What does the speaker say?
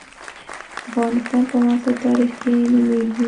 افغانستان په معاصر تاریخ کې نومېږي.